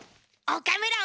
岡村！